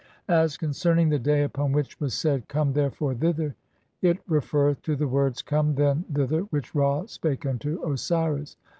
As concerning (108) the day [upon which was said], "Come therefore thither," it referreth to the words, "Come (109) then thither," which Ra spake unto Osiris.